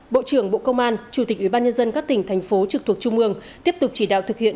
bộ trưởng bộ công an chủ tịch ủy ban nhân dân các tỉnh thành phố trực thuộc trung ương tiếp tục chỉ đạo thực hiện